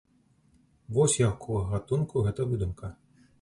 Вось якога гатунку гэта выдумка.